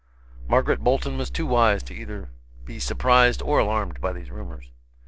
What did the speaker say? Margaret Bolton was too wise to be either surprised or alarmed by these rumors.